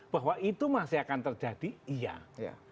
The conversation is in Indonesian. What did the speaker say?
bahwa itu masih akan terjadi iya